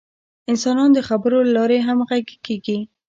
انسانان د خبرو له لارې همغږي کېږي.